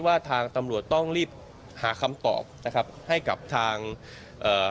ว่าทางตำรวจต้องรีบหาคำตอบนะครับให้กับทางเอ่อ